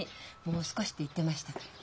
「もう少し」って言ってましたから。